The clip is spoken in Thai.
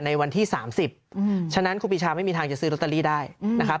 วันที่๓๐ฉะนั้นครูปีชาไม่มีทางจะซื้อลอตเตอรี่ได้นะครับ